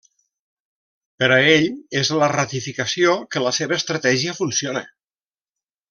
Per a ell és la ratificació que la seva estratègia funciona.